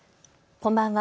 こんばんは。